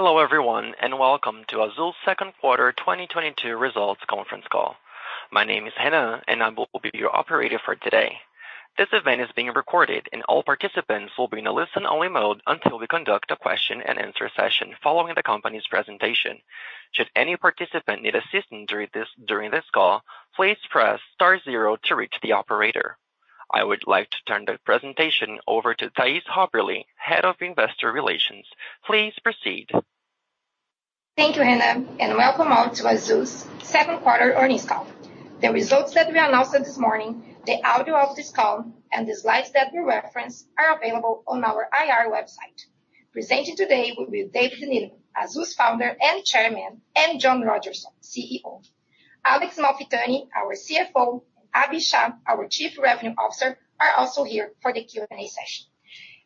Hello everyone, and welcome to Azul's second 1/4 2022 results conference call. My name is Rena, and I will be your operator for today. This event is being recorded, and all participants will be in a Listen-Only Mode until we conduct a question and answer session following the company's presentation. Should any participant need assistance during this call, please press star zero to reach the operator. I would like to turn the presentation over to Thais Haberli, Head of Investor Relations. Please proceed. Thank you, Rena, and welcome all to Azul's second 1/4 earnings call. The results that we announced this morning, the audio of this call, and the Slides that we reference are available on our IR website. Presenting today will be David Neeleman, Azul's Founder and Chairman, and John Rodgerson, CEO. Alexander Malfitani, our CFO, Abhi Shah, our Chief Revenue Officer, are also here for the Q&A session.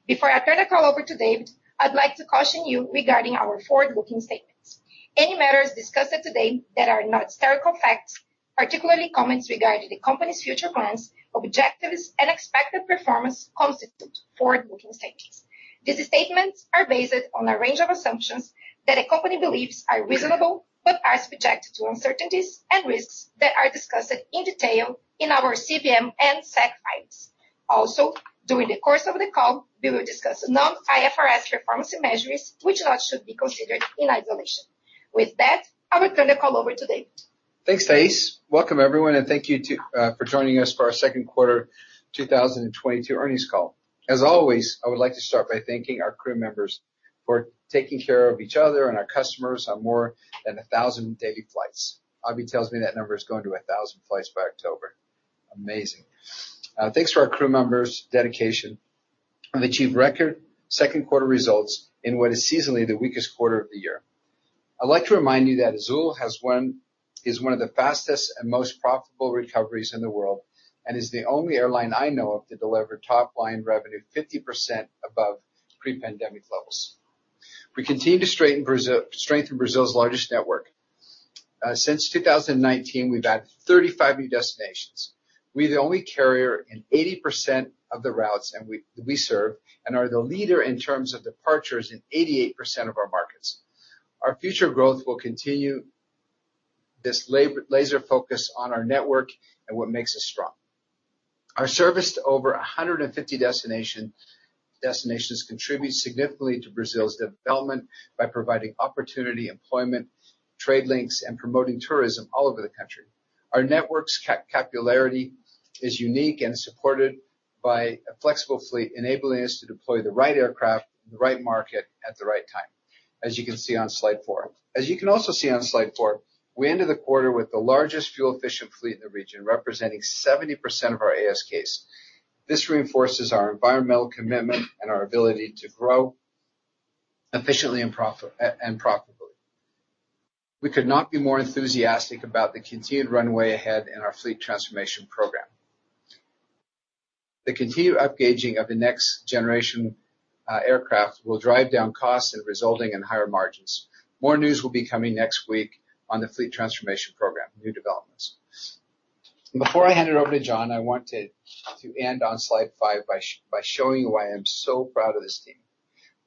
Before I turn the call over to David, I'd like to caution you regarding our Forward-Looking statements. Any matters discussed today that are not historical facts, particularly comments regarding the company's future plans, objectives, and expected performance constitute Forward-Looking statements. These statements are based on a range of assumptions that a company believes are reasonable but are subject to uncertainties and risks that are discussed in detail in our CVM and SEC files. Also, during the course of the call, we will discuss Non-IFRS performance measures, which should not be considered in isolation. With that, I will turn the call over to David. Thanks, Thais. Welcome everyone and thank you for joining us for our second 1/4 2022 earnings call. As always, I would like to start by thanking our crew members for taking care of each other and our customers on more than 1,000 daily flights. Abi tells me that number is going to 1,000 flights by October. Amazing. Thanks to our crew members' dedication, we achieved record second 1/4 results in what is seasonally the weakest 1/4 of the year. I'd like to remind you that Azul is one of the fastest and most profitable recoveries in the world and is the only airline I know of to deliver top line revenue 50% above Pre-pandemic levels. We continue to strengthen Brazil's largest network. Since 2019, we've added 35 new destinations. We're the only carrier in 80% of the routes and we serve and are the leader in terms of departures in 88% of our markets. Our future growth will continue this laser focus on our network and what makes us strong. Our service to over 150 destinations contributes significantly to Brazil's development by providing opportunity, employment, trade links, and promoting tourism all over the country. Our network's capacity is unique and supported by a flexible fleet, enabling us to deploy the right aircraft in the right market at the right time, as you can see on Slide 4. As you can also see on Slide 4, we ended the 1/4 with the largest Fuel-Efficient fleet in the region, representing 70% of our ASKs. This reinforces our environmental commitment and our ability to grow efficiently and profitably. We could not be more enthusiastic about the continued runway ahead in our fleet transformation program. The continued upgauging of the next generation aircraft will drive down costs and resulting in higher margins. More news will be coming next week on the fleet transformation program, new developments. Before I hand it over to John, I wanted to end on Slide 5 by showing you why I'm so proud of this team.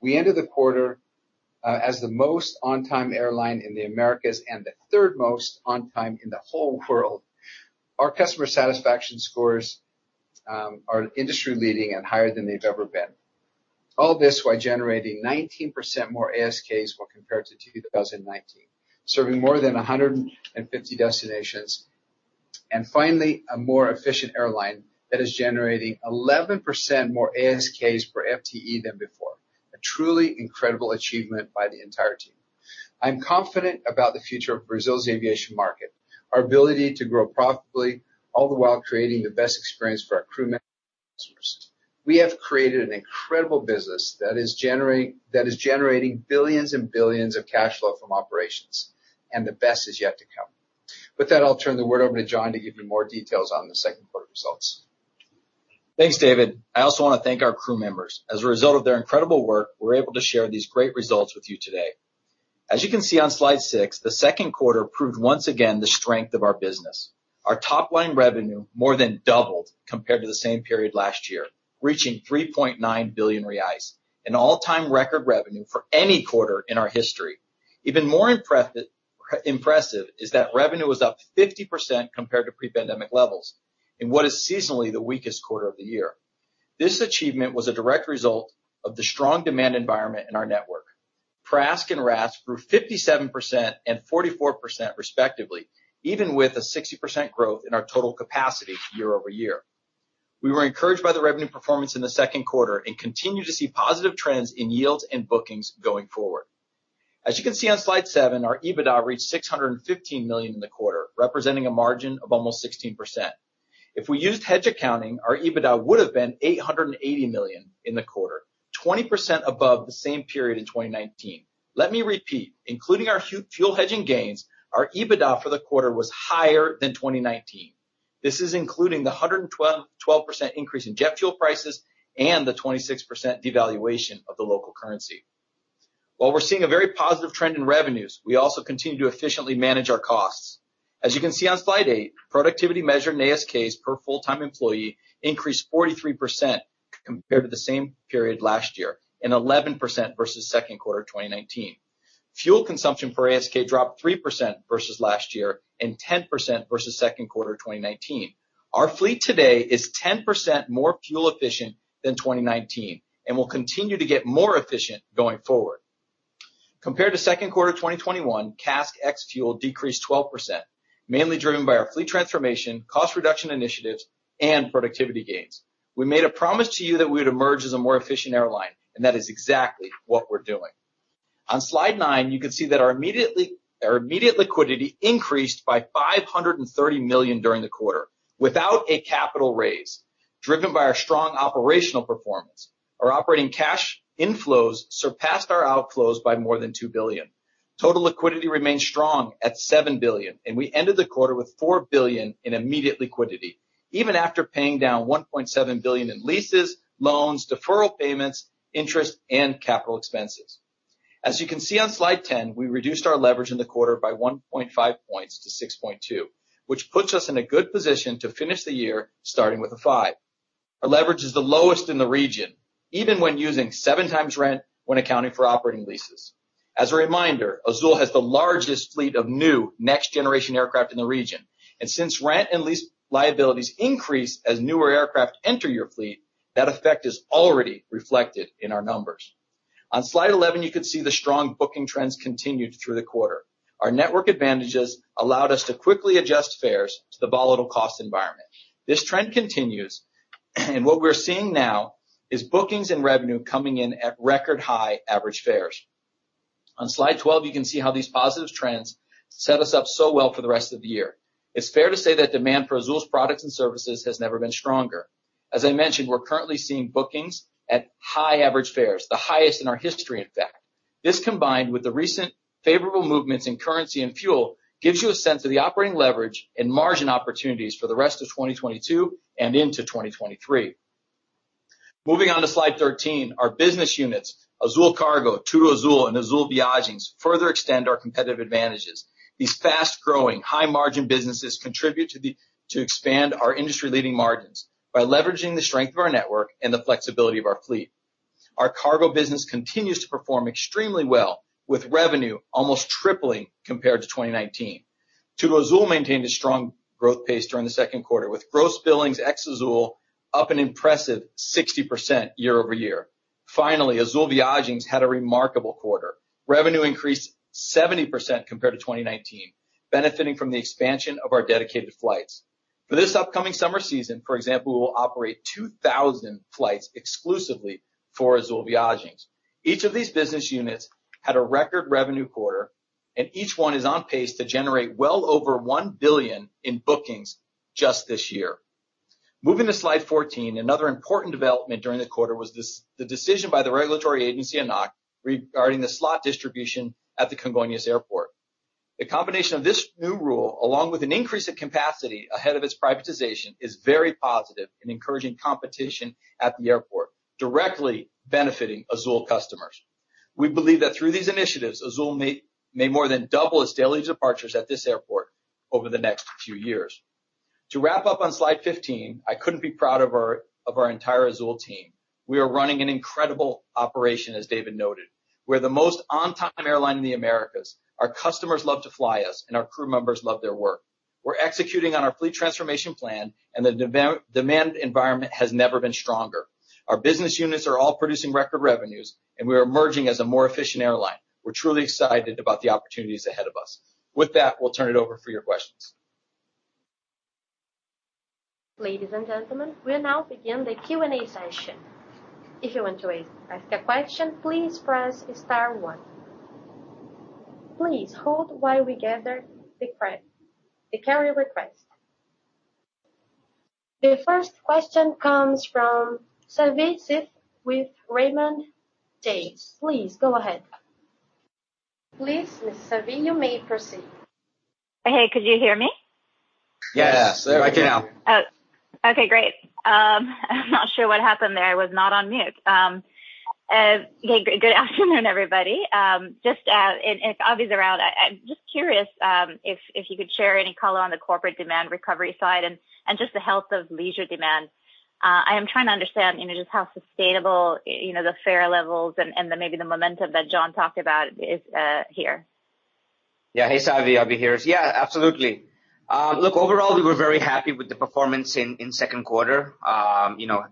We ended the 1/4 as the most On-Time airline in the Americas and the 1/3 most On-Time in the whole world. Our customer satisfaction scores are Industry-Leading and higher than they've ever been. All this while generating 19% more ASKs when compared to 2019, serving more than 150 destinations. Finally, a more efficient airline that is generating 11% more ASKs per FTE than before. A truly incredible achievement by the entire team. I'm confident about the future of Brazil's aviation market, our ability to grow profitably, all the while creating the best experience for our crew members and customers. We have created an incredible business that is generating billions and billions of cash flow from operations, and the best is yet to come. With that, I'll turn it over to John to give you more details on the second 1/4 results. Thanks, David. I also want to thank our crew members. As a result of their incredible work, we're able to share these great results with you today. As you can see on Slide 6, the second 1/4 proved once again the strength of our business. Our Top-Line revenue more than doubled compared to the same period last year, reaching 3.9 billion reais, an All-T ime record revenue for any 1/4 in our history. Even more impressive is that revenue was up 50% compared to Pre-pandemic levels in what is seasonally the weakest 1/4 of the year. This achievement was a direct result of the strong demand environment in our network. PRASK and RASK grew 57% and 44% respectively, even with a 60% growth in our total capacity year-over-year. We were encouraged by the revenue performance in the second 1/4 and continue to see positive trends in yields and bookings going forward. As you can see on Slide 7, our EBITDA reached 615 million in the 1/4, representing a margin of almost 16%. If we used hedge accounting, our EBITDA would have been 880 million in the 1/4, 20% above the same period in 2019. Let me repeat, including our fuel hedging gains, our EBITDA for the 1/4 was higher than 2019. This is including the 112% increase in jet fuel prices and the 26% devaluation of the local currency. While we're seeing a very positive trend in revenues, we also continue to efficiently manage our costs. As you can see on Slide 8, productivity measured in ASKs per full-time employee increased 43% compared to the same period last year, and 11% versus second 1/4 of 2019. Fuel consumption per ASK dropped 3% versus last year and 10% versus second 1/4 of 2019. Our fleet today is 10% more fuel efficient than 2019, and will continue to get more efficient going forward. Compared to second 1/4 of 2021, CASK ex-fuel decreased 12%, mainly driven by our fleet transformation, cost reduction initiatives, and productivity gains. We made a promise to you that we would emerge as a more efficient airline, and that is exactly what we're doing. On Slide 9, you can see that our immediately... Our immediate liquidity increased by 530 million during the 1/4 without a capital raise, driven by our strong operational performance. Our operating cash inflows surpassed our outflows by more than 2 billion. Total liquidity remains strong at 7 billion, and we ended the 1/4 with 4 billion in immediate liquidity, even after paying down 1.7 billion in leases, loans, deferral payments, interest, and capital expenses. As you can see on Slide 10, we reduced our leverage in the 1/4 by 1.5 points to 6.2, which puts us in a good position to finish the year starting with a 5. Our leverage is the lowest in the region, even when using 7 times rent when accounting for operating leases. As a reminder, Azul has the largest fleet of new next generation aircraft in the region, and since rent and lease liabilities increase as newer aircraft enter your fleet, that effect is already reflected in our numbers. On Slide eleven, you can see the strong booking trends continued through the 1/4. Our network advantages allowed us to quickly adjust fares to the volatile cost environment. This trend continues, and what we're seeing now is bookings and revenue coming in at record high average fares. On Slide twelve, you can see how these positive trends set us up so well for the rest of the year. It's fair to say that demand for Azul's products and services has never been stronger. As I mentioned, we're currently seeing bookings at high average fares, the highest in our history, in fact. This, combined with the recent favorable movements in currency and fuel, gives you a sense of the operating leverage and margin opportunities for the rest of 2022 and into 2023. Moving on to Slide 13, our business units, Azul Cargo, TudoAzul, and Azul Viagens further extend our competitive advantages. These Fast-Growing, High-Margin businesses contribute to expand our Industry-Leading margins by leveraging the strength of our network and the flexibility of our fleet. Our cargo business continues to perform extremely well, with revenue almost tripling compared to 2019. TudoAzul maintained a strong growth pace during the second 1/4, with gross billings ex-Azul up an impressive 60% year-over-year. Finally, Azul Viagens had a remarkable 1/4. Revenue increased 70% compared to 2019, benefiting from the expansion of our dedicated flights. For this upcoming summer season, for example, we will operate 2,000 flights exclusively for Azul Viagens. Each of these business units had a record revenue 1/4, and each one is on pace to generate well over 1 billion in bookings just this year. Moving to Slide 14, another important development during the 1/4 was this, the decision by the regulatory agency, ANAC, regarding the slot distribution at the Congonhas Airport. The combination of this new rule, along with an increase in capacity ahead of its privatization, is very positive in encouraging competition at the airport, directly benefiting Azul customers. We believe that through these initiatives, Azul may more than double its daily departures at this airport over the next few years. To wrap up on Slide 15, I couldn't be proud of our entire Azul team. We are running an incredible operation, as David noted. We're the most On-Time airline in the Americas. Our customers love to fly us, and our crew members love their work. We're executing on our fleet transformation plan, and the demand environment has never been stronger. Our business units are all producing record revenues, and we are emerging as a more efficient airline. We're truly excited about the opportunities ahead of us. With that, we'll turn it over for your questions. Ladies and gentlemen, we now begin the Q&A session. If you want to ask a question, please press star one. Please hold while we gather the callers' requests. The first question comes from Savi Syth with Raymond James. Please go ahead. Please, Miss Syth, you may proceed. Hey, could you hear me? Yes. Yes. There we go. I can now. Oh, okay, great. I'm not sure what happened there. I was not on mute. Yeah, good afternoon, everybody. Just, Abhi is around. I'm just curious if you could share any color on the corporate demand recovery side and just the health of leisure demand. I am trying to understand, you know, just how sustainable, you know, the fare levels and the maybe the momentum that John talked about is here. Yeah. Hey, Savi. Abhi here. Yeah, absolutely. Look, overall, we were very happy with the performance in second 1/4. You know,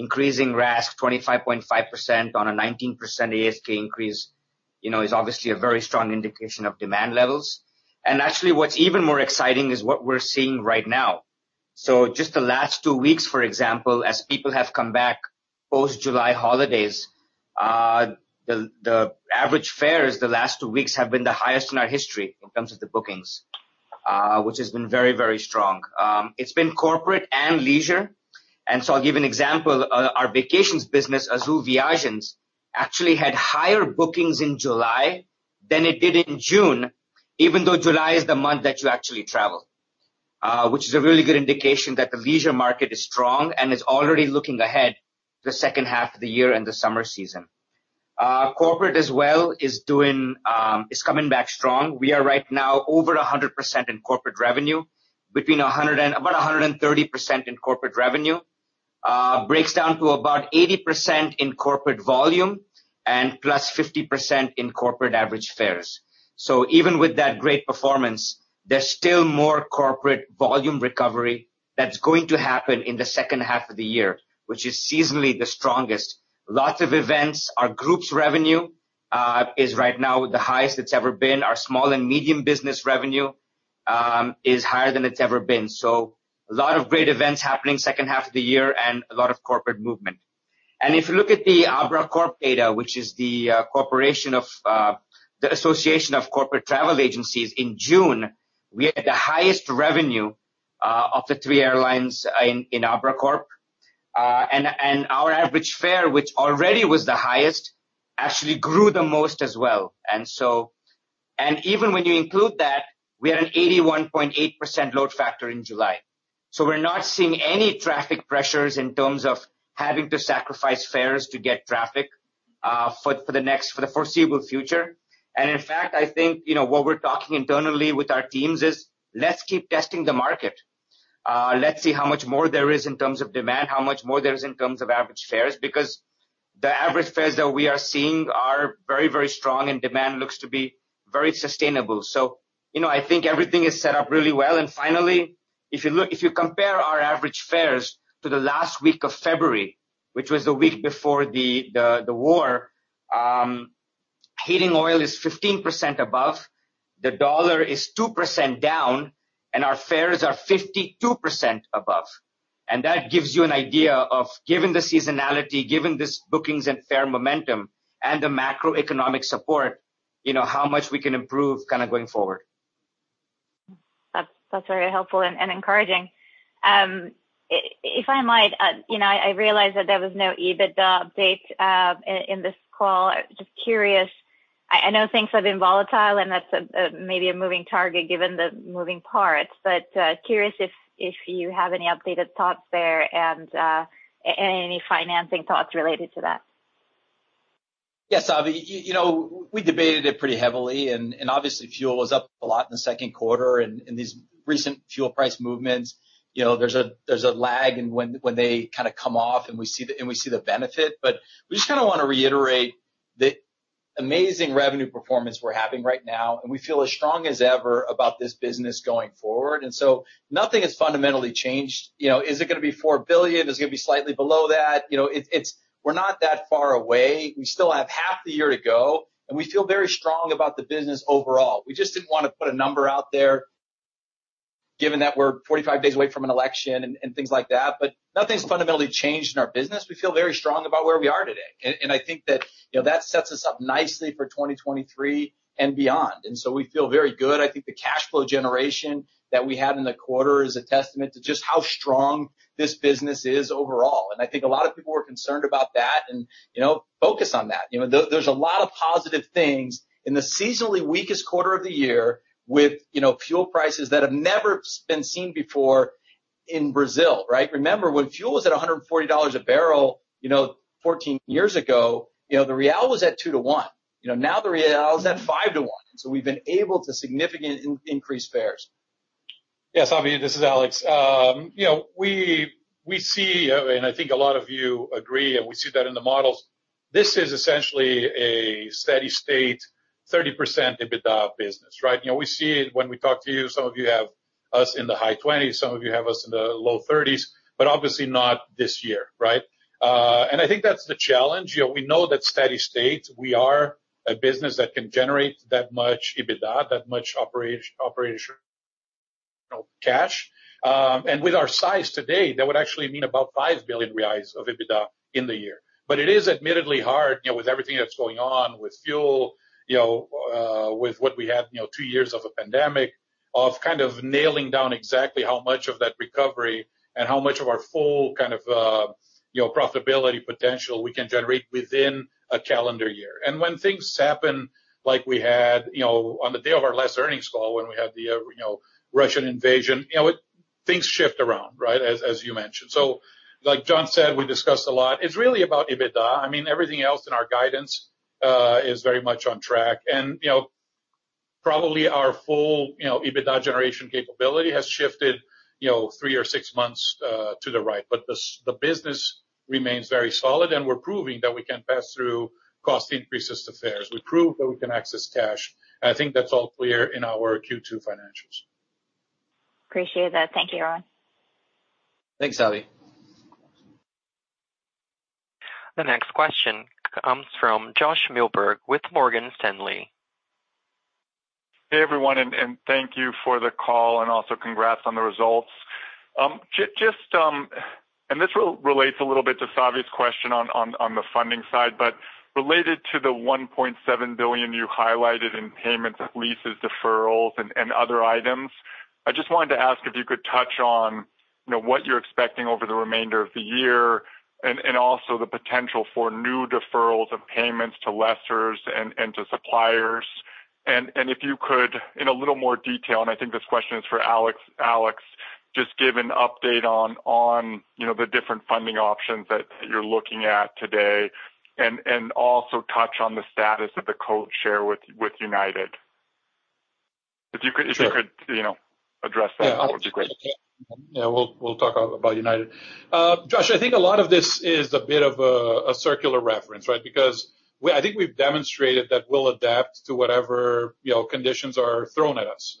increasing RASK 25.5% on a 19% ASK increase, you know, is obviously a very strong indication of demand levels. Actually, what's even more exciting is what we're seeing right now. Just the last 2 weeks, for example, as people have come back post-July holidays, the average fares the last 2 weeks have been the highest in our history in terms of the bookings, which has been very, very strong. It's been corporate and leisure. I'll give an example. Our vacations business, Azul Viagens, actually had higher bookings in July than it did in June, even though July is the month that you actually travel. Which is a really good indication that the leisure market is strong and is already looking ahead to the second 1/2 of the year and the summer season. Corporate as well is coming back strong. We are right now over 100% in corporate revenue, between 100 and about 130% in corporate revenue. Breaks down to about 80% in corporate volume and +50% in corporate average fares. Even with that great performance, there's still more corporate volume recovery that's going to happen in the second 1/2 of the year, which is seasonally the strongest. Lots of events. Our group's revenue is right now the highest it's ever been. Our small and medium business revenue is higher than it's ever been. A lot of great events happening second 1/2 of the year and a lot of corporate movement. If you look at the Abracorp data, which is the corporation of the association of corporate travel agencies, in June, we had the highest revenue of the 3 airlines in Abracorp. Our average fare, which already was the highest, actually grew the most as well. Even when you include that, we had an 81.8% load factor in July. We're not seeing any traffic pressures in terms of having to sacrifice fares to get traffic for the foreseeable future. In fact, I think, you know, what we're talking internally with our teams is, let's keep testing the market. Let's see how much more there is in terms of demand, how much more there is in terms of average fares, because the average fares that we are seeing are very, very strong, and demand looks to be very sustainable. You know, I think everything is set up really well. Finally, if you compare our average fares to the last week of February, which was the week before the war, heating oil is 15% above, the dollar is 2% down, and our fares are 52% above. That gives you an idea of given the seasonality, given this bookings and fare momentum and the macroeconomic support, you know, how much we can improve kind of going forward. That's very helpful and encouraging. If I might, you know, I realize that there was no EBITDA update in this call. Just curious, I know things have been volatile, and that's maybe a moving target given the moving parts. Curious if you have any updated thoughts there and any financing thoughts related to that. Yes, Abhi. You know, we debated it pretty heavily, and obviously fuel was up a lot in the second 1/4. These recent fuel price movements, you know, there's a lag in when they kind of come off, and we see the benefit. We just kind of want to reiterate the amazing revenue performance we're having right now, and we feel as strong as ever about this business going forward. Nothing has fundamentally changed. You know, is it gonna be 4 billion? Is it gonna be slightly below that? You know, it's. We're not that far away. We still have 1/2 the year to go, and we feel very strong about the business overall. We just didn't want to put a number out there given that we're 45 days away from an election and things like that. Nothing's fundamentally changed in our business. We feel very strong about where we are today. I think that, you know, that sets us up nicely for 2023 and beyond. We feel very good. I think the cash flow generation that we had in the 1/4 is a testament to just how strong this business is overall. I think a lot of people were concerned about that and, you know, focused on that. You know, there's a lot of positive things in the seasonally weakest 1/4 of the year with, you know, fuel prices that have never been seen before in Brazil, right? Remember, when fuel was at $140 a barrel, you know, 14 years ago, you know, the real was at 2 to 1. You know, now the real is at 5 to 1. We've been able to significantly increase fares. Yes, Abi, this is Alexander. You know, we see, and I think a lot of you agree, and we see that in the models, this is essentially a steady state, 30% EBITDA business, right? You know, we see it when we talk to you. Some of you have us in the high twenties, some of you have us in the low thirties, but obviously not this year, right? I think that's the challenge. You know, we know that steady state, we are a business that can generate that much EBITDA, that much operational cash. With our size today, that would actually mean about 5 billion reais of EBITDA in the year. It is admittedly hard, you know, with everything that's going on with fuel, you know, with what we have, you know, 2 years of a pandemic, of kind of nailing down exactly how much of that recovery and how much of our full kind of, you know, profitability potential we can generate within a calendar year. When things happen, like we had, you know, on the day of our last earnings call, when we had the, you know, Russian invasion, you know, things shift around, right? As you mentioned. Like John said, we discussed a lot. It's really about EBITDA. I mean, everything else in our guidance is very much on track. Probably our full, you know, EBITDA generation capability has shifted, you know, 3 or six months to the right. The business remains very solid, and we're proving that we can pass through cost increases to fares. We proved that we can access cash. I think that's all clear in our Q2 financials. Appreciate that. Thank you, everyone. Thanks, Abhi. The next question comes from Josh Milberg with Morgan Stanley. Hey, everyone, thank you for the call and also congrats on the results. This relates a little bit to Savi's question on the funding side, but related to the 1.7 billion you highlighted in payments, leases, deferrals, and other items. I just wanted to ask if you could touch on, you know, what you're expecting over the remainder of the year and also the potential for new deferrals of payments to lessors and to suppliers. If you could, in a little more detail, I think this question is for Alexander. Alexander, just give an update on, you know, the different funding options that you're looking at today and also touch on the status of the code share with United. If you could- Sure. If you could, you know, address that would be great. Yeah. We'll talk about United. Josh, I think a lot of this is a bit of a circular reference, right? Because I think we've demonstrated that we'll adapt to whatever, you know, conditions are thrown at us.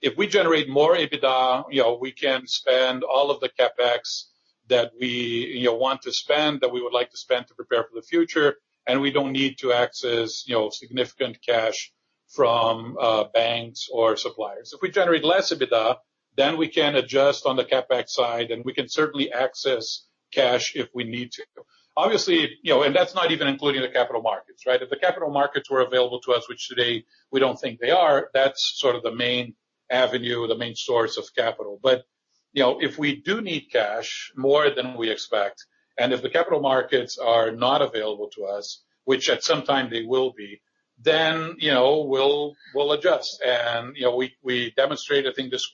If we generate more EBITDA, you know, we can spend all of the CapEx that we, you know, want to spend, that we would like to spend to prepare for the future, and we don't need to access, you know, significant cash from banks or suppliers. If we generate less EBITDA, then we can adjust on the CapEx side, and we can certainly access cash if we need to. Obviously, you know, and that's not even including the capital markets, right? If the capital markets were available to us, which today we don't think they are, that's sort of the main avenue or the main source of capital. You know, if we do need cash more than we expect, and if the capital markets are not available to us, which at some time they will be, then, you know, we'll adjust. You know, we demonstrated, I think this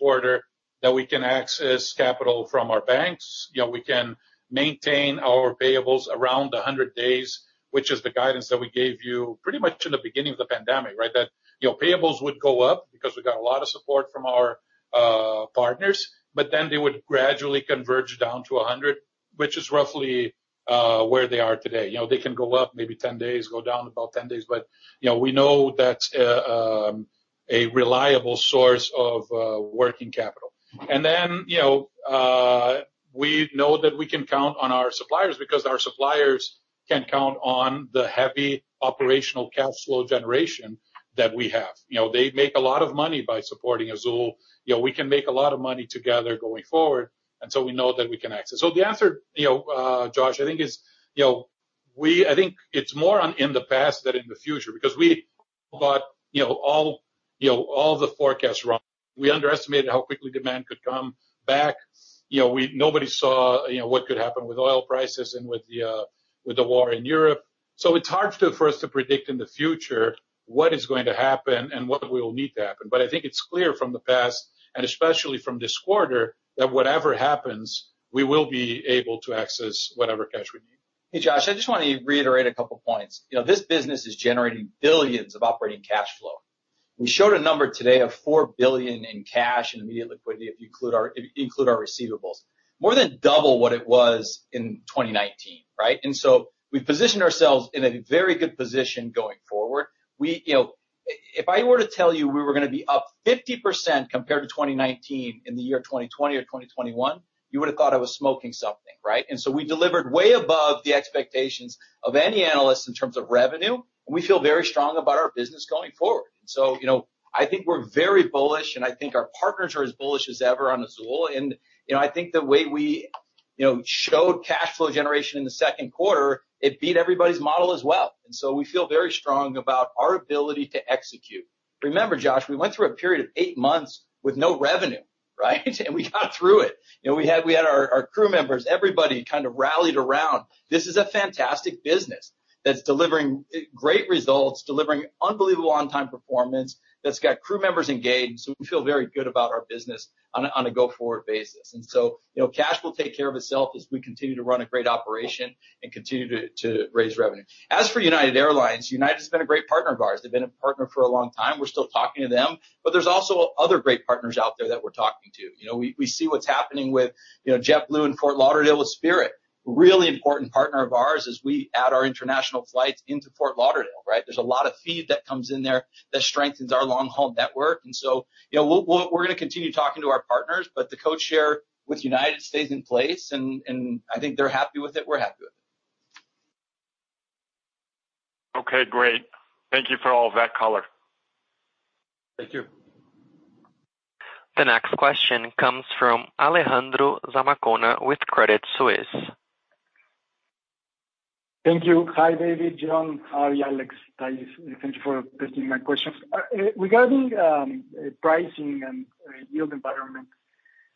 1/4, that we can access capital from our banks. You know, we can maintain our payables around 100 days, which is the guidance that we gave you pretty much in the beginning of the pandemic, right? That, you know, payables would go up because we got a lot of support from our partners, but then they would gradually converge down to 100, which is roughly where they are today. You know, they can go up maybe 10 days, go down about 10 days. You know, we know that's a reliable source of working capital. You know, we know that we can count on our suppliers because our suppliers can count on the heavy operational cash flow generation that we have. You know, they make a lot of money by supporting Azul. You know, we can make a lot of money together going forward, and so we know that we can access. The answer, you know, Josh, I think is, you know, I think it's more on in the past than in the future because we got, you know, all the forecasts wrong. We underestimated how quickly demand could come back. You know, nobody saw, you know, what could happen with oil prices and with the war in Europe. It's hard for us to predict in the future what is going to happen and what will need to happen. I think it's clear from the past, and especially from this 1/4, that whatever happens, we will be able to access whatever cash we need. Hey, Josh, I just want to reiterate a couple points. You know, this business is generating billions of operating cash flow. We showed a number today of 4 billion in cash and immediate liquidity if you include our receivables. More than double what it was in 2019, right? We've positioned ourselves in a very good position going forward. We, you know. If I were to tell you we were gonna be up 50% compared to 2019 in the year 2020 or 2021, you would have thought I was smoking something, right? We delivered way above the expectations of any analyst in terms of revenue, and we feel very strong about our business going forward. You know, I think we're very bullish, and I think our partners are as bullish as ever on Azul. You know, I think the way we, you know, showed cash flow generation in the second 1/4, it beat everybody's model as well. We feel very strong about our ability to execute. Remember, Josh, we went through a period of eight months with no revenue, right? We got through it. You know, we had our crew members, everybody kind of rallied around. This is a fantastic business that's delivering great results, delivering unbelievable on time performance, that's got crew members engaged. We feel very good about our business on a, on a go-forward basis. You know, cash will take care of itself as we continue to run a great operation and continue to raise revenue. As for United Airlines, United has been a great partner of ours. They've been a partner for a long time. We're still talking to them, but there's also other great partners out there that we're talking to. You know, we see what's happening with, you know, JetBlue and Fort Lauderdale with Spirit, really important partner of ours as we add our international flights into Fort Lauderdale, right? There's a lot of feed that comes in there that strengthens our long-haul network. You know, we'll continue talking to our partners, but the code share with United stays in place, and I think they're happy with it, we're happy with it. Okay, great. Thank you for all that color. Thank you. The next question comes from Alejandro Zamacona with Credit Suisse. Thank you. Hi, David, John. Hi, Alexander. Thank you for taking my questions. Regarding pricing and yield environment,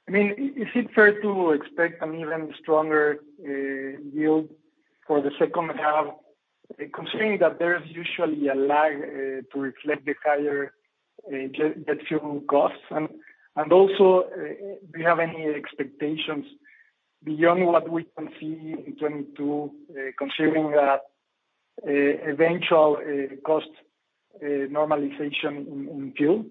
I mean, is it fair to expect an even stronger yield for the second 1/2, considering that there is usually a lag to reflect the higher jet fuel costs? Also, do you have any expectations beyond what we can see in 2022, considering the eventual cost normalization in fuel?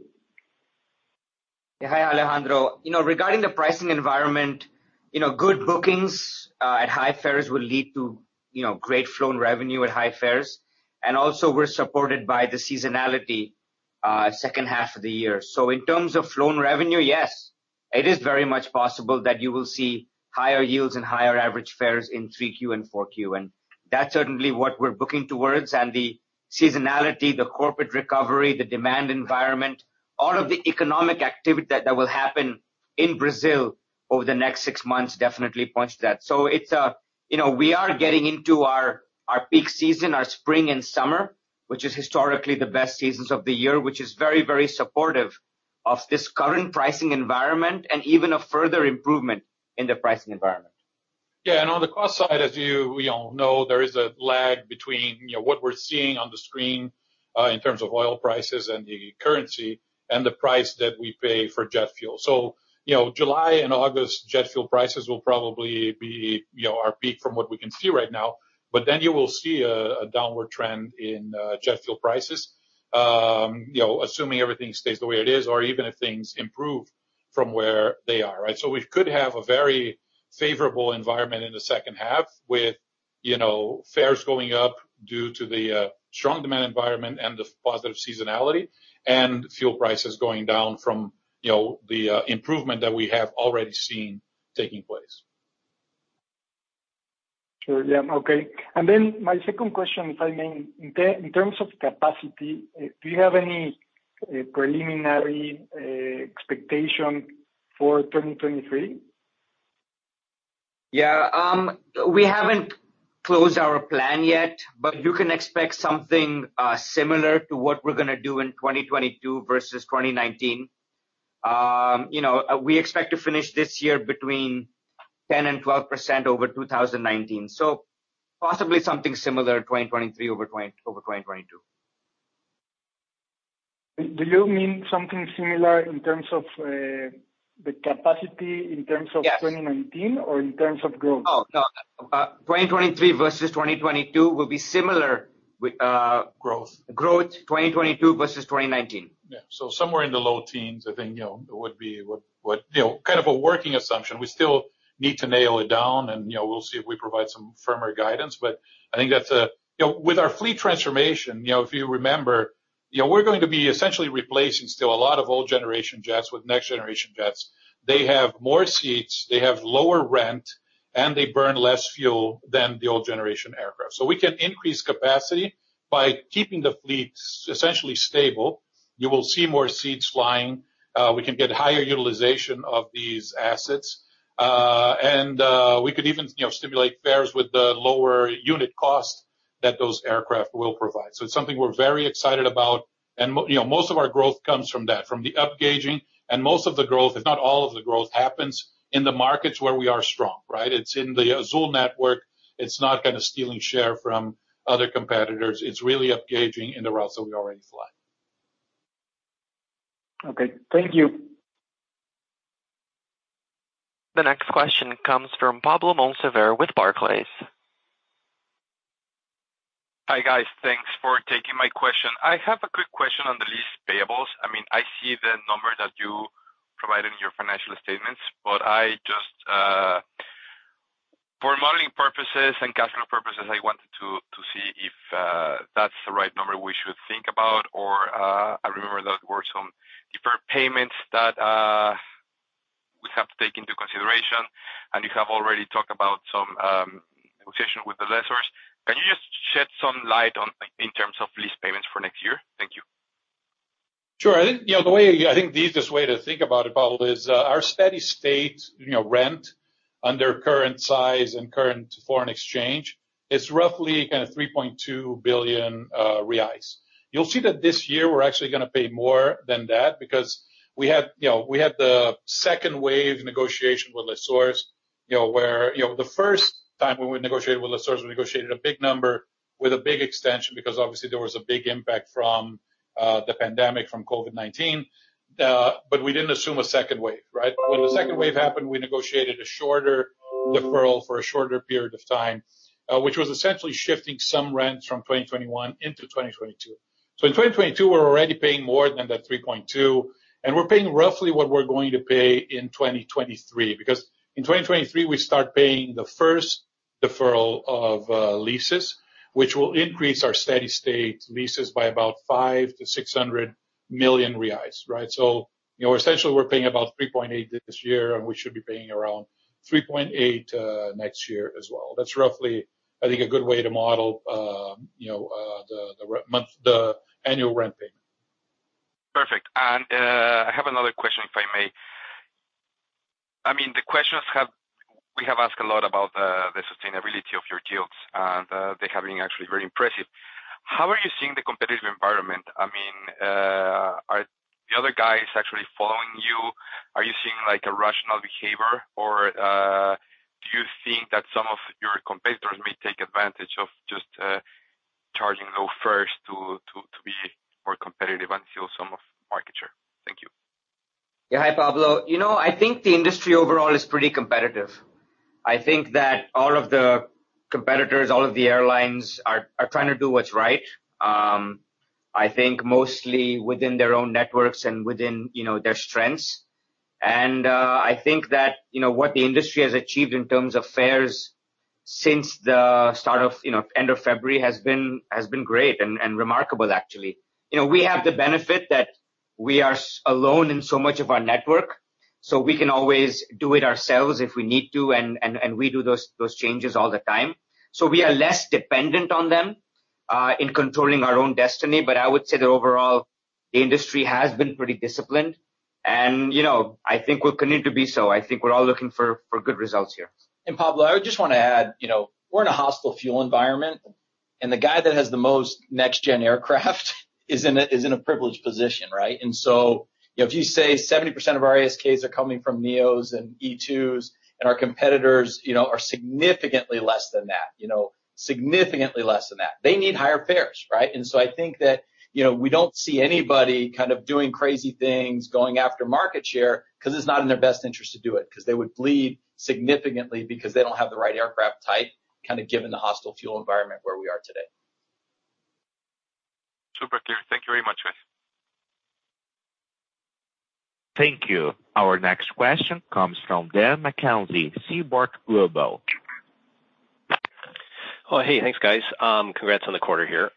Yeah. Hi, Alejandro. You know, regarding the pricing environment, you know, good bookings at high fares will lead to, you know, great flown revenue at high fares. And also we're supported by the seasonality, second 1/2 of the year. In terms of flown revenue, yes, it is very much possible that you will see higher yields and higher average fares in 3Q and 4Q. And that's certainly what we're booking towards. And the seasonality, the corporate recovery, the demand environment, all of the economic activity that will happen in Brazil over the next six months definitely points to that. It's you know, we are getting into our peak season, our spring and summer. Which is historically the best seasons of the year, which is very, very supportive of this current pricing environment and even a further improvement in the pricing environment. Yeah. On the cost side, as you all know, there is a lag between, you know, what we're seeing on the screen in terms of oil prices and the currency and the price that we pay for jet fuel. You know, July and August jet fuel prices will probably be, you know, our peak from what we can see right now. But then you will see a downward trend in jet fuel prices, you know, assuming everything stays the way it is or even if things improve from where they are. Right? You know, we could have a very favorable environment in the second 1/2 with fares going up due to the strong demand environment and the positive seasonality and fuel prices going down from the improvement that we have already seen taking place. Sure. Yeah. Okay. My second question, if I may. In terms of capacity, do you have any preliminary expectation for 2023? We haven't closed our plan yet, but you can expect something similar to what we're gonna do in 2022 versus 2019. You know, we expect to finish this year between 10% and 12% over 2019, so possibly something similar 2023 over 2022. Do you mean something similar in terms of the capacity? Yes... 2019 or in terms of growth? Oh, no. 2023 versus 2022 will be similar with, Growth growth, 2022 versus 2019. Yeah. Somewhere in the low teens, I think, you know, it would be kind of a working assumption. We still need to nail it down and, you know, we'll see if we provide some firmer guidance. I think that's. You know, with our fleet transformation, you know, if you remember, you know, we're going to be essentially replacing still a lot of old generation jets with next generation jets. They have more seats, they have lower rent, and they burn less fuel than the old generation aircraft. We can increase capacity by keeping the fleet essentially stable. You will see more seats flying. We can get higher utilization of these assets. We could even, you know, stimulate fares with the lower unit cost that those aircraft will provide. It's something we're very excited about and, you know, most of our growth comes from that, from the upgauging. Most of the growth, if not all of the growth, happens in the markets where we are strong, right? It's in the Azul network. It's not gonna steal share from other competitors. It's really upgauging in the routes that we already fly. Okay. Thank you. The next question comes from Pablo Monsalve with Barclays. Hi, guys. Thanks for taking my question. I have a quick question on the lease payables. I mean, I see the number that you provide in your financial statements, but I just... For modeling purposes and capital purposes, I wanted to see if that's the right number we should think about. Or, I remember there were some deferred payments that we have to take into consideration, and you have already talked about some negotiation with the lessors. Can you just shed some light on in terms of lease payments for next year? Thank you. Sure. I think, you know, the easiest way to think about it, Pablo, is our steady state, you know, rent under current size and current foreign exchange is roughly kind of 3.2 billion reais. You'll see that this year we're actually gonna pay more than that because we had the second wave negotiation with lessors, you know. The first time when we negotiated with lessors, we negotiated a big number with a big extension because obviously there was a big impact from the pandemic, from COVID-19. But we didn't assume a second wave, right? When the second wave happened, we negotiated a shorter deferral for a shorter period of time, which was essentially shifting some rents from 2021 into 2022. In 2022, we're already paying more than that 3.2 billion, and we're paying roughly what we're going to pay in 2023. Because in 2023, we start paying the first deferral of leases, which will increase our steady state leases by about 500-600 million reais, right? You know, essentially we're paying about 3.8 billion this year, and we should be paying around 3.8 billion next year as well. That's roughly, I think, a good way to model the annual rent payment. Perfect. I have another question, if I may. I mean, we have asked a lot about the sustainability of your yields, they have been actually very impressive. How are you seeing the competitive environment? I mean, are the other guys actually following you? Are you seeing, like, a rational behavior? Or, do you think that some of your competitors may take advantage of just charging low fares to be more competitive and steal some market share? Thank you. Yeah. Hi, Pablo. You know, I think the industry overall is pretty competitive. I think that all of the competitors, all of the airlines are trying to do what's right, I think mostly within their own networks and within, you know, their strengths. I think that, you know, what the industry has achieved in terms of fares since the start of, you know, end of February has been great and remarkable actually. You know, we have the benefit that we are alone in so much of our network, so we can always do it ourselves if we need to, and we do those changes all the time. So we are less dependent on them in controlling our own destiny. I would say the overall. The industry has been pretty disciplined and, you know, I think we're continuing to be so. I think we're all looking for good results here. Pablo, I would just wanna add, you know, we're in a hostile fuel environment, and the guy that has the most nextGen aircraft is in a privileged position, right? If you say 70% of our ASKs are coming from NEOs and E2s, and our competitors, you know, are significantly less than that. They need higher fares, right? I think that, you know, we don't see anybody kind of doing crazy things, going after market share 'cause it's not in their best interest to do it, 'cause they would bleed significantly because they don't have the right aircraft type, kinda given the hostile fuel environment where we are today. Super clear. Thank you very much, guys. Thank you. Our next question comes from Daniel McKenzie, Seaport Global. Oh, hey, thanks, guys. Congrats on the 1/4 here.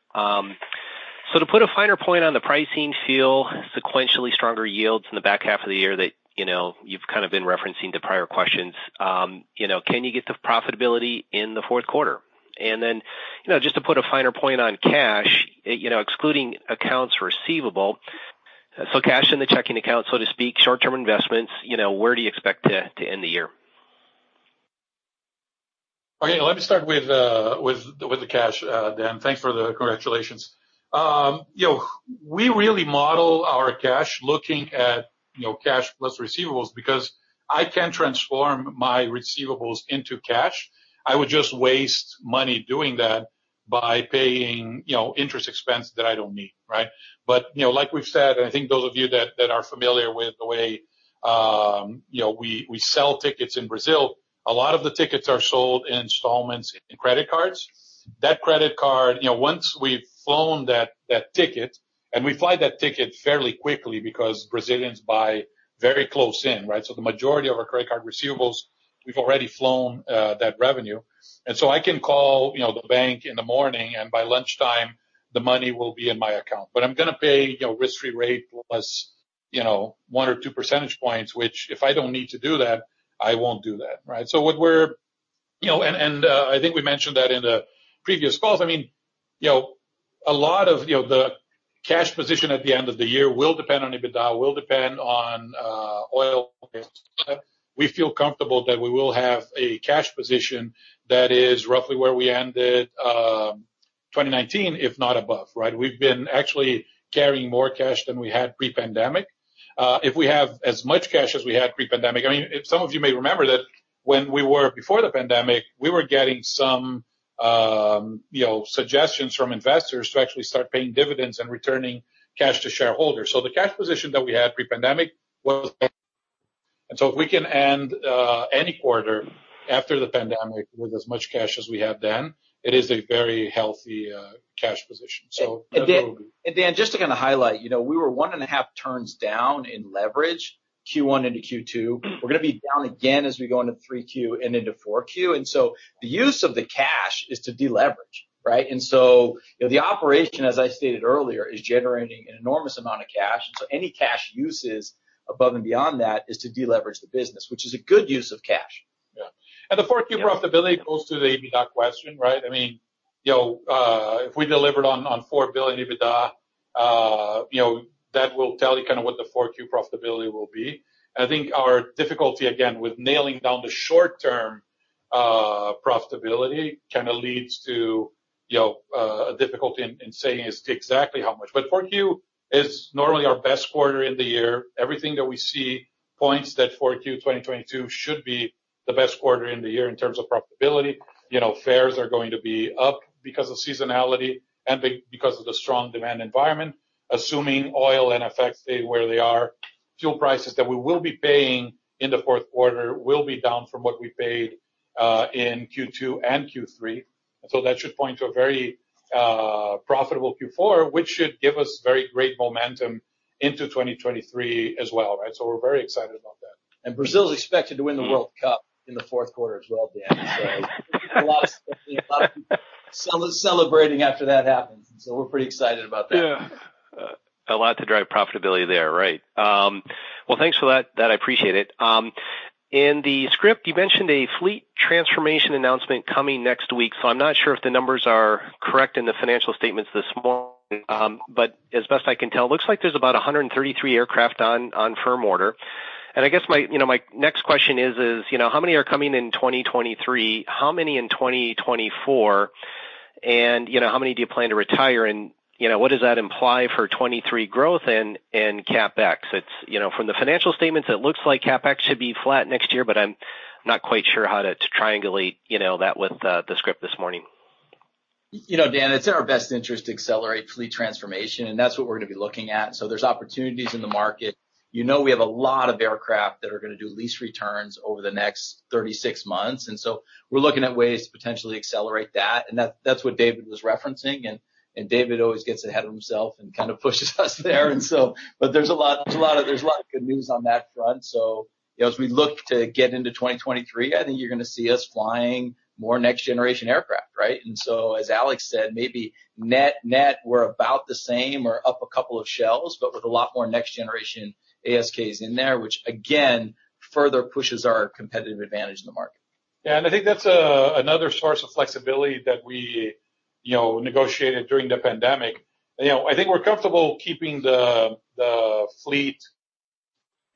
To put a finer point on the pricing feel, sequentially stronger yields in the back 1/2 of the year that, you know, you've kind of been referencing to prior questions, you know, can you get the profitability in the fourth 1/4? You know, just to put a finer point on cash, you know, excluding accounts receivable, so cash in the checking account, so to speak, short-term investments, you know, where do you expect to end the year? Okay, let me start with the cash, Daniel. Thanks for the congratulations. You know, we really model our cash looking at you know, cash plus receivables because I can transform my receivables into cash. I would just waste money doing that by paying you know, interest expense that I don't need, right? You know, like we've said, and I think those of you that are familiar with the way you know, we sell tickets in Brazil, a lot of the tickets are sold in installments in credit cards. That credit card you know, once we've flown that ticket, and we fly that ticket fairly quickly because Brazilians buy very close in, right? The majority of our credit card receivables, we've already flown that revenue. I can call, you know, the bank in the morning, and by lunchtime, the money will be in my account. I'm gonna pay, you know, risk-free rate plus, you know, 1 or 2 percentage points, which, if I don't need to do that, I won't do that, right? You know, I think we mentioned that in the previous calls. I mean, you know, a lot of, you know, the cash position at the end of the year will depend on EBITDA, will depend on oil. We feel comfortable that we will have a cash position that is roughly where we ended 2019, if not above, right? We've been actually carrying more cash than we had Pre-pandemic. If we have as much cash as we had Pre-pandemic, I mean, if some of you may remember that when we were before the pandemic, we were getting some, you know, suggestions from investors to actually start paying dividends and returning cash to shareholders. If we can end any 1/4 after the pandemic with as much cash as we have then, it is a very healthy cash position. Daniel, just to kinda highlight, you know, we were 1.5 turns down in leverage, Q1 into Q2. We're gonna be down again as we go into Q3 and into Q4. The use of the cash is to deleverage, right? You know, the operation, as I stated earlier, is generating an enormous amount of cash. Any cash uses above and beyond that is to deleverage the business, which is a good use of cash. Yeah. The Q4 profitability goes to the EBITDA question, right? I mean, you know, if we delivered on 4 billion EBITDA, you know, that will tell you kinda what the Q4 profitability will be. I think our difficulty, again, with nailing down the short-term profitability kinda leads to, you know, a difficulty in saying is exactly how much. But Q4 is normally our best 1/4 in the year. Everything that we see points that Q4 2022 should be the best 1/4 in the year in terms of profitability. You know, fares are going to be up because of seasonality and because of the strong demand environment. Assuming oil and FX stay where they are, fuel prices that we will be paying in the fourth 1/4 will be down from what we paid in Q2 and Q3. That should point to a very profitable Q4, which should give us very great momentum into 2023 as well. Right? We're very excited about that. Brazil is expected to win the World Cup in the fourth 1/4 as well, Daniel. A lot of people celebrating after that happens. We're pretty excited about that. Yeah. A lot to drive profitability there, right. Well, thanks for that. I appreciate that. In the script, you mentioned a fleet transformation announcement coming next week, so I'm not sure if the numbers are correct in the financial statements this morning. But as best I can tell, it looks like there's about 133 aircraft on firm order. I guess my next question is, you know, how many are coming in 2023, how many in 2024, and, you know, how many do you plan to retire, and, you know, what does that imply for 2023 growth and CapEx? It, you know, from the financial statements, it looks like CapEx should be flat next year, but I'm not quite sure how to triangulate that with the script this morning. You know, Daniel, it's in our best interest to accelerate fleet transformation, and that's what we're gonna be looking at. There's opportunities in the market. You know, we have a lot of aircraft that are gonna do lease returns over the next 36 months, and so we're looking at ways to potentially accelerate that, and that's what David was referencing. David always gets ahead of himself and kind of pushes us there and so. There's a lot of good news on that front. You know, as we look to get into 2023, I think you're gonna see us flying more next generation aircraft, right? As Alexander said, maybe net, we're about the same or up a couple of shelves, but with a lot more next generation ASKs in there, which again, further pushes our competitive advantage in the market. Yeah, I think that's another source of flexibility that we, you know, negotiated during the pandemic. You know, I think we're comfortable keeping the fleet,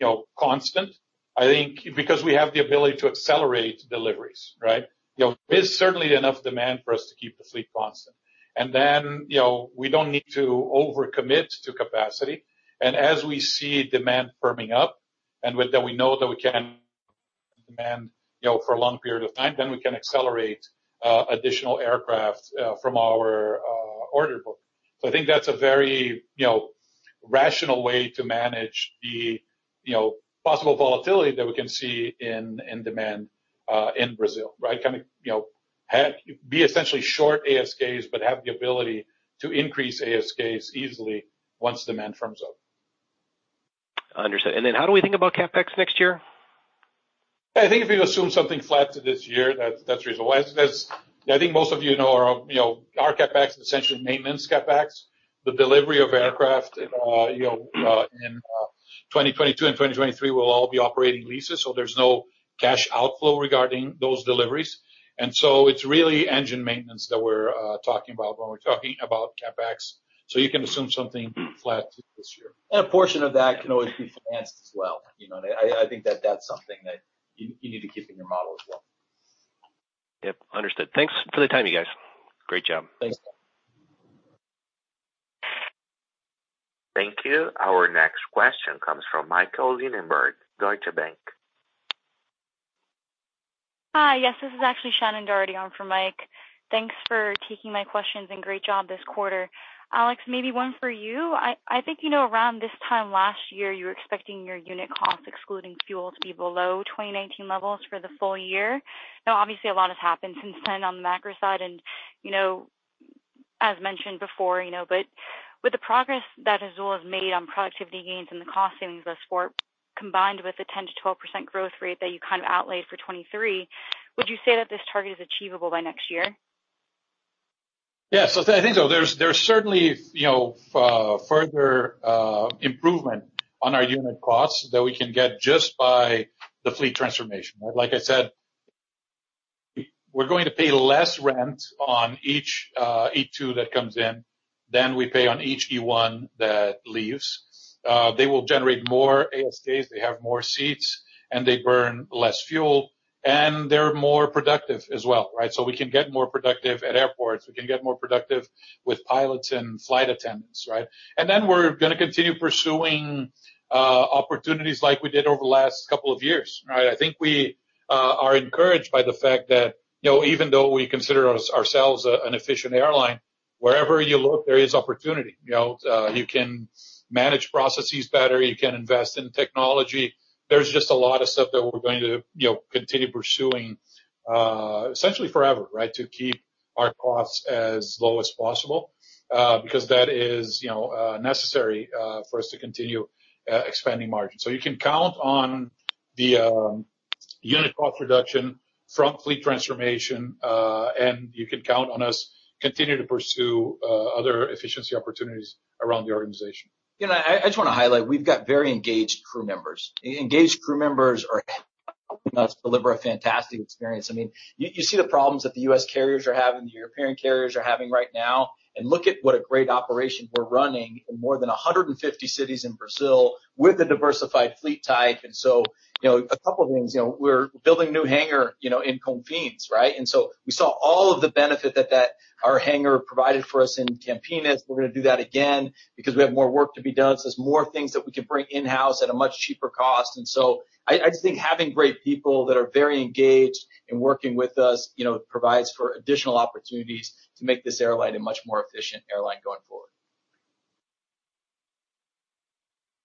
you know, constant, I think, because we have the ability to accelerate deliveries, right? You know, there's certainly enough demand for us to keep the fleet constant. Then, you know, we don't need to over-commit to capacity. As we see demand firming up, and with that we know that we can demand, you know, for a long period of time, then we can accelerate additional aircraft from our order book. I think that's a very, you know, rational way to manage the, you know, possible volatility that we can see in demand in Brazil, right? Kind of, you know, have to be essentially short ASKs, but have the ability to increase ASKs easily once demand firms up. Understood. How do we think about CapEx next year? I think if you assume something flat to this year, that's reasonable. As I think most of you know, you know, our CapEx is essentially maintenance CapEx. The delivery of aircraft in 2022 and 2023 will all be operating leases, so there's no cash outflow regarding those deliveries. It's really engine maintenance that we're talking about when we're talking about CapEx. You can assume something flat this year. A portion of that can always be financed as well, you know. I think that that's something that you need to keep in your model as well. Yep. Understood. Thanks for the time, you guys. Great job. Thanks. Thank you. Our next question comes from Michael Linenberg, Deutsche Bank. Hi. Yes, this is actually Shannon Doherty on for Mike. Thanks for taking my questions and great job this 1/4. Alexander, maybe one for you. I think you know around this time last year, you were expecting your unit costs excluding fuel to be below 2019 levels for the full year. Now, obviously a lot has happened since then on the macro side and, you know, as mentioned before, you know. With the progress that Azul has made on productivity gains and the cost savings thus far, combined with the 10%-12% growth rate that you kind of outlaid for 2023, would you say that this target is achievable by next year? Yes. I think so. There's certainly, you know, further improvement on our unit costs that we can get just by the fleet transformation. Like I said, we're going to pay less rent on each E2 that comes in than we pay on each E1 that leaves. They will generate more ASKs, they have more seats, and they burn less fuel, and they're more productive as well, right? We can get more productive at airports. We can get more productive with pilots and flight attendants, right? We're gonna continue pursuing opportunities like we did over the last couple of years, right? I think we are encouraged by the fact that, you know, even though we consider ourselves an efficient airline, wherever you look, there is opportunity. You know, you can manage processes better, you can invest in technology. There's just a lot of stuff that we're going to, you know, continue pursuing, essentially forever, right? To keep our costs as low as possible, because that is, you know, necessary, for us to continue, expanding margins. You can count on the unit cost reduction from fleet transformation, and you can count on us continue to pursue, other efficiency opportunities around the organization. You know, I just wanna highlight, we've got very engaged crew members. Engaged crew members help us deliver a fantastic experience. I mean, you see the problems that the U.S. carriers are having, the European carriers are having right now, and look at what a great operation we're running in more than 150 cities in Brazil with a diversified fleet type. You know, a couple of things. You know, we're building new hangar, you know, in Confins, right? We saw all of the benefit that our hangar provided for us in Campinas. We're gonna do that again because we have more work to be done, so there's more things that we can bring in-house at a much cheaper cost. I just think having great people that are very engaged in working with us, you know, provides for additional opportunities to make this airline a much more efficient airline going forward.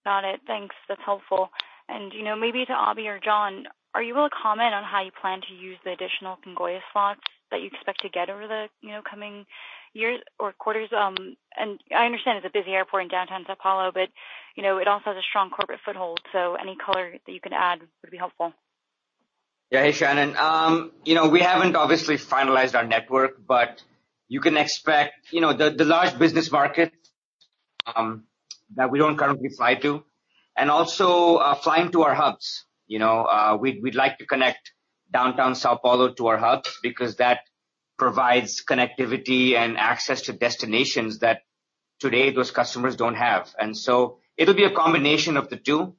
Got it. Thanks. That's helpful. You know, maybe to Abhi or John, are you able to comment on how you plan to use the additional Congonhas slots that you expect to get over the, you know, coming years or quarters? I understand it's a busy airport in downtown São Paulo, but, you know, it also has a strong corporate foothold, so any color that you can add would be helpful. Yeah. Hey, Shannon. You know, we haven't obviously finalized our network, but you can expect, you know, the large business market that we don't currently fly to, and also flying to our hubs. You know, we'd like to connect downtown São Paulo to our hub because that provides connectivity and access to destinations that today those customers don't have. It'll be a combination of the 2.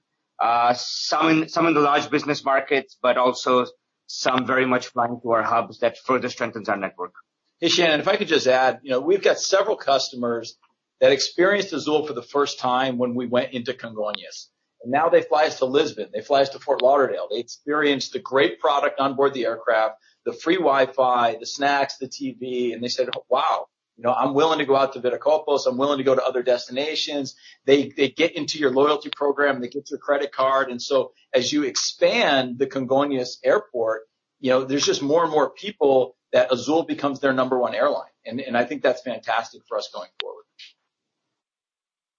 Some in the large business markets, but also some very much flying to our hubs that further strengthens our network. Hey, Shannon, if I could just add, you know, we've got several customers that experienced Azul for the first time when we went into Congonhas. Now they fly us to Lisbon, they fly us to Fort Lauderdale. They experienced the great product on board the aircraft, the free Wi-Fi, the snacks, the TV, and they said, "Wow, you know, I'm willing to go out to Viracopos, I'm willing to go to other destinations." They get into your loyalty program, they get your credit card. So as you expand the Congonhas Airport, you know, there's just more and more people that Azul becomes their number one airline. I think that's fantastic for us going forward.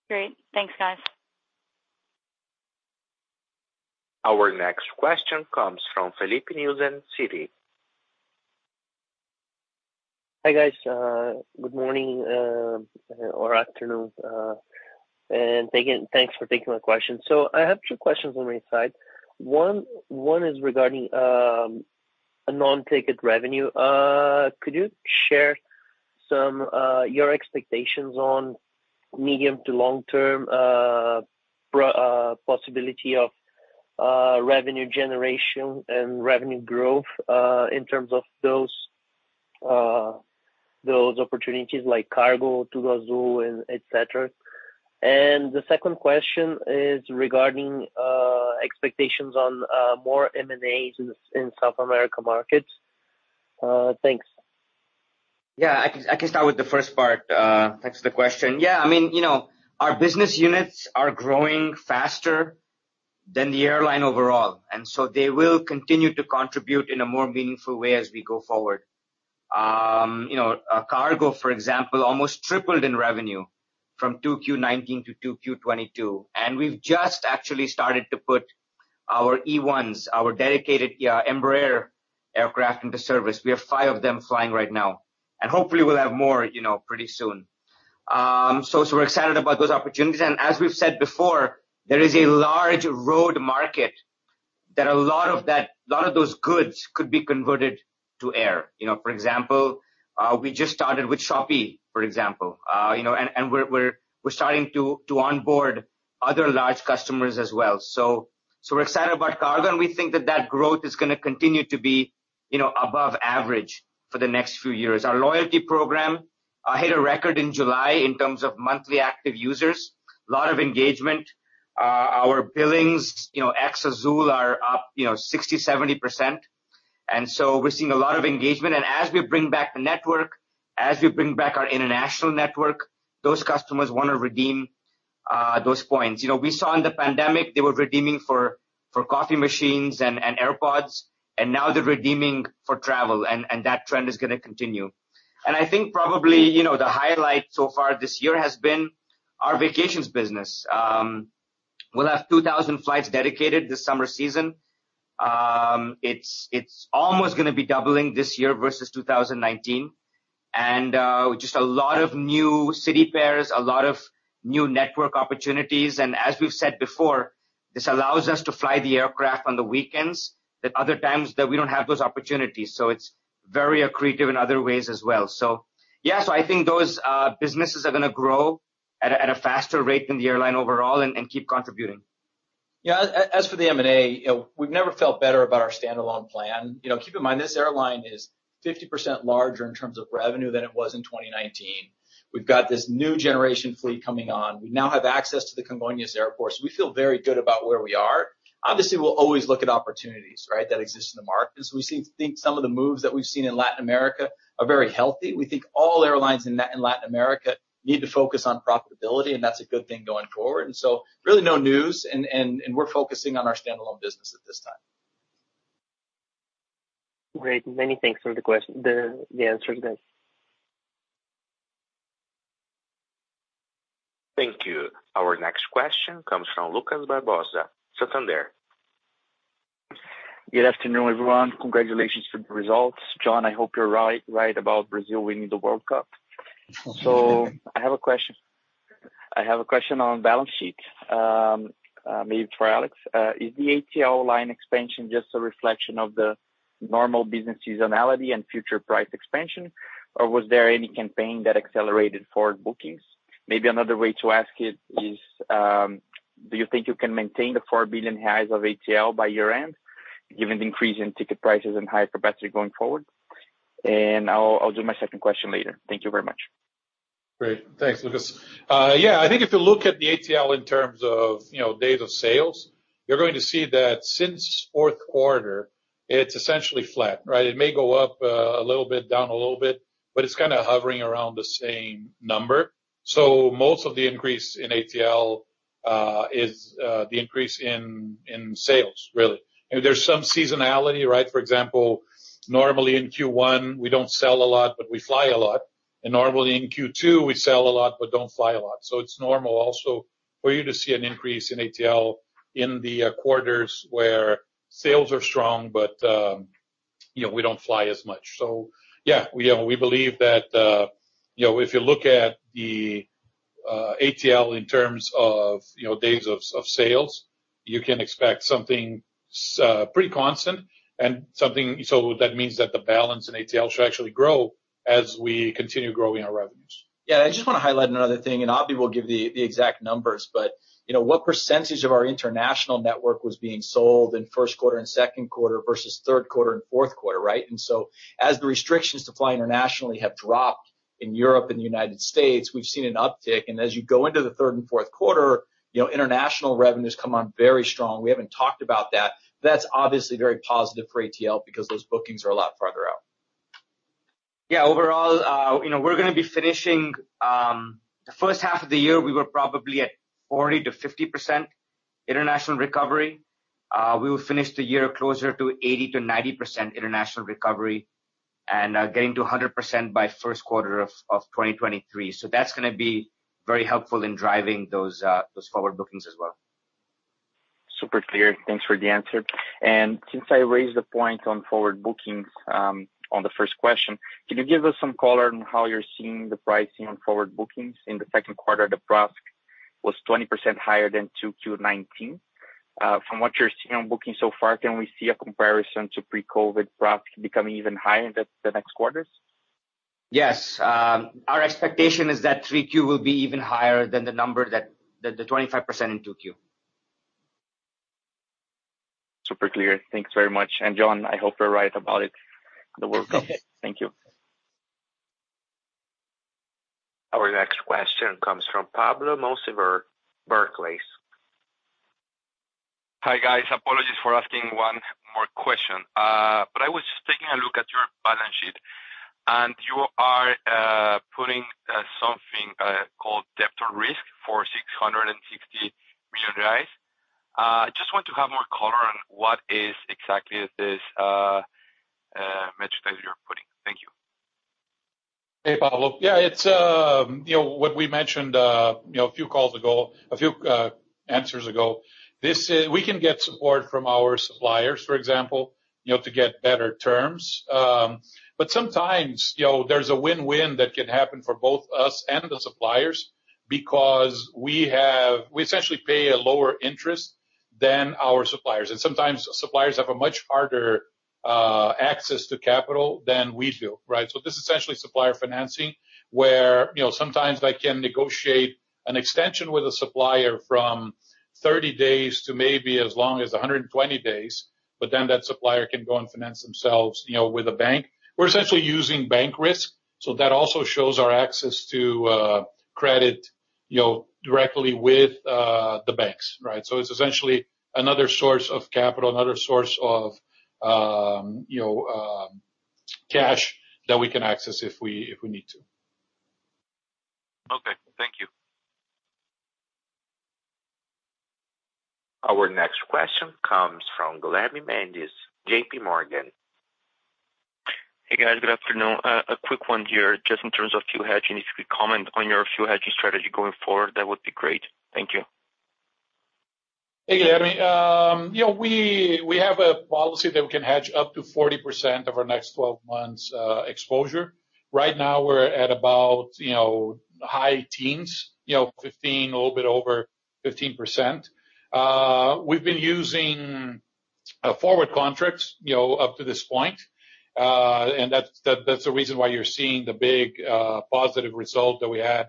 Great. Thanks, guys. Our next question comes from Stephen Trent, Citi. Hi guys, good morning or afternoon, and thanks for taking my questions. I have 2 questions on my side. One is regarding a Non-ticket revenue. Could you share some your expectations on medium to long-term possibility of revenue generation and revenue growth in terms of those opportunities like cargo to Azul and et cetera? The second question is regarding expectations on more M&As in South America markets. Thanks. Yeah, I can start with the first part. Thanks for the question. Yeah, I mean, you know, our business units are growing faster than the airline overall, and so they will continue to contribute in a more meaningful way as we go forward. You know, cargo, for example, almost tripled in revenue from 2Q 2019 to 2Q 2022, and we've just actually started to put our E1s, our dedicated Embraer aircraft into service. We have 5 of them flying right now. Hopefully we'll have more, you know, pretty soon. So we're excited about those opportunities, and as we've said before, there is a large road market that a lot of those goods could be converted to air. You know, for example, we just started with Shopee, for example. You know, we're starting to onboard other large customers as well. We're excited about cargo, and we think that growth is gonna continue to be, you know, above average for the next few years. Our loyalty program hit a record in July in terms of monthly active users. Lot of engagement. Our billings, you know, ex-Azul are up, you know, 60%-70%. We're seeing a lot of engagement. As we bring back the network, as we bring back our international network, those customers wanna redeem those points. You know, we saw in the pandemic, they were redeeming for coffee machines and AirPods, and now they're redeeming for travel and that trend is gonna continue. I think probably, you know, the highlight so far this year has been our vacations business. We'll have 2,000 flights dedicated this summer season. It's almost gonna be doubling this year versus 2019. Just a lot of new city pairs, a lot of new network opportunities. As we've said before, this allows us to fly the aircraft on the weekends that other times that we don't have those opportunities. It's very accretive in other ways as well. I think those businesses are gonna grow at a faster rate than the airline overall and keep contributing. Yeah, as for the M&A, you know, we've never felt better about our standalone plan. You know, keep in mind this airline is 50% larger in terms of revenue than it was in 2019. We've got this new generation fleet coming on. We now have access to the Congonhas Airport, so we feel very good about where we are. Obviously, we'll always look at opportunities, right? That exist in the markets. We think some of the moves that we've seen in Latin America are very healthy. We think all airlines in Latin America need to focus on profitability, and that's a good thing going forward. Really no news and we're focusing on our standalone business at this time. Great. Many thanks for the answering that. Thank you. Our next question comes from Lucas Barbosa, Santander. Good afternoon, everyone. Congratulations for the results. John, I hope you're right about Brazil winning the World Cup. I have a question on balance sheet, maybe for Alexander. Is the ATL line expansion just a reflection of the normal business seasonality and future price expansion, or was there any campaign that accelerated forward bookings? Maybe another way to ask it is, do you think you can maintain the 4 billion reais of ATL by year-end, given the increase in ticket prices and higher capacity going forward? I'll do my second question later. Thank you very much. Great. Thanks, Lucas. Yeah, I think if you look at the ATL in terms of, you know, days of sales, you're going to see that since fourth 1/4, it's essentially flat, right? It may go up a little bit, down a little bit, but it's kinda hovering around the same number. So most of the increase in ATL is the increase in sales, really. I mean, there's some seasonality, right? For example, normally in Q1, we don't sell a lot, but we fly a lot. Normally in Q2, we sell a lot but don't fly a lot. So it's normal also for you to see an increase in ATL in the quarters where sales are strong but, you know, we don't fly as much. Yeah, we believe that, you know, if you look at the ATL in terms of, you know, days of sales, you can expect something pretty constant and something. That means that the balance in ATL should actually grow as we continue growing our revenues. Yeah. I just wanna highlight another thing, and Abhi will give the exact numbers, but, you know, what percentage of our international network was being sold in first 1/4 and second 1/4 versus 1/3 1/4 and fourth 1/4, right? As the restrictions to fly internationally have dropped in Europe and the United States, we've seen an uptick. As you go into the 1/3 and fourth 1/4, you know, international revenues come on very strong. We haven't talked about that. That's obviously very positive for ATL because those bookings are a lot farther out. Yeah. Overall, you know, we're gonna be finishing the first 1/2 of the year, we were probably at 40%-50% international recovery. We will finish the year closer to 80%-90% international recovery and getting to 100% by first 1/4 of 2023. That's gonna be very helpful in driving those forward bookings as well. Super clear. Thanks for the answer. Since I raised the point on forward bookings, on the first question, can you give us some color on how you're seeing the pricing on forward bookings in the second 1/4? The PRASK was 20% higher than 2Q 2019. From what you're seeing on booking so far, can we see a comparison to Pre-COVID PRASK becoming even higher in the next quarters? Yes. Our expectation is that 3Q will be even higher than the 25% in 2Q. Super clear. Thanks very much. John, I hope you're right about it, the World Cup. Thank you. Our next question comes from Pablo Monsalve, Barclays. Hi, guys. Apologies for asking one more question. I was just taking a look at your balance sheet, and you are putting something called debt or risk for 660 million. I just want to have more color on what is exactly this metric that you're putting. Thank you. Hey, Pablo. Yeah, it's you know what we mentioned you know a few answers ago. This is. We can get support from our suppliers, for example, you know, to get better terms. Sometimes, you know, there's a win-win that can happen for both us and the suppliers because we essentially pay a lower interest than our suppliers. Sometimes suppliers have a much harder access to capital than we do, right? This is essentially supplier financing, where you know sometimes I can negotiate an extension with a supplier from 30 days to maybe as long as 120 days, but then that supplier can go and finance themselves you know with a bank. We're essentially using bank risk, so that also shows our access to credit you know directly with the banks, right? It's essentially another source of capital, another source of, you know, cash that we can access if we need to. Okay, thank you. Our next question comes from Guilherme Mendes, J.P. Morgan. Hey, guys. Good afternoon. A quick one here. Just in terms of fuel hedging, if you could comment on your fuel hedging strategy going forward, that would be great. Thank you. Hey, Guilherme Mendes. We have a policy that we can hedge up to 40% of our next 12 months exposure. Right now we're at about high teens. Fifteen, a little bit over 15%. We've been using forward contracts up to this point. That's the reason why you're seeing the big positive result that we had.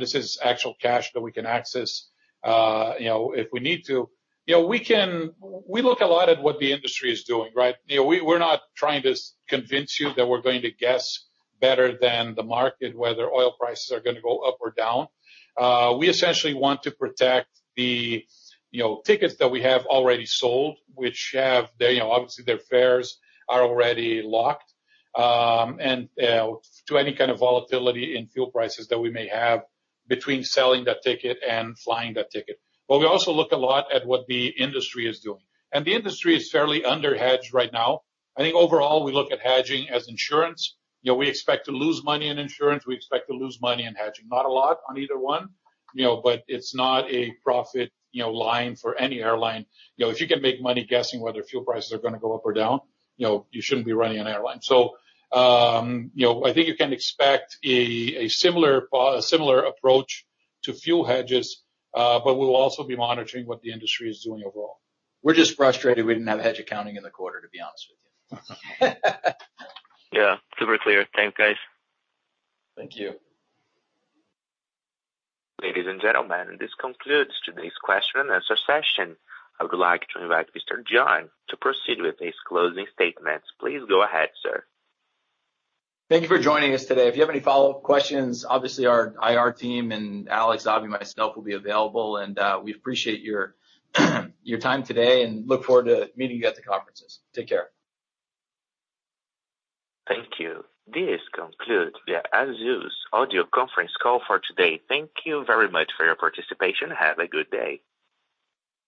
This is actual cash that we can access if we need to. We look a lot at what the industry is doing, right? We're not trying to convince you that we're going to guess better than the market, whether oil prices are gonna go up or down. We essentially want to protect the, you know, tickets that we have already sold, which have, you know, obviously their fares are already locked, and to any kind of volatility in fuel prices that we may have between selling that ticket and flying that ticket. We also look a lot at what the industry is doing, and the industry is fairly under-hedged right now. I think overall, we look at hedging as insurance. You know, we expect to lose money in insurance. We expect to lose money in hedging. Not a lot on either one, you know, but it's not a profit, you know, line for any airline. You know, if you can make money guessing whether fuel prices are gonna go up or down, you know, you shouldn't be running an airline. You know, I think you can expect a similar approach to fuel hedges, but we'll also be monitoring what the industry is doing overall. We're just frustrated we didn't have hedge accounting in the 1/4, to be honest with you. Yeah. Super clear. Thanks, guys. Thank you. Ladies and gentlemen, this concludes today's question and answer session. I would like to invite Mr. John Rodgerson to proceed with his closing statements. Please go ahead, sir. Thank you for joining us today. If you have any follow-up questions, obviously our IR team and Alexander, Abi, myself will be available. We appreciate your time today and look forward to meeting you at the conferences. Take care. Thank you. This concludes Azul's audio conference call for today. Thank you very much for your participation. Have a good day.